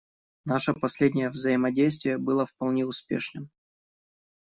Наше последнее взаимодействие было вполне успешным.